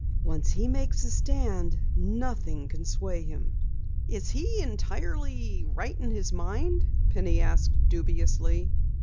Once he makes a stand nothing can sway him." "Is he entirely right in his mind?" Penny asked dubiously.